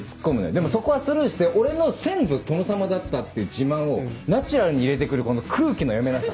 でもそこはスルーして「俺の先祖殿様だった」っていう自慢をナチュラルに入れて来るこの空気の読めなさ。